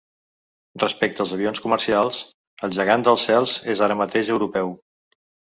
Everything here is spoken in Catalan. Respecte als avions comercials, el gegant dels cels és ara mateix europeu.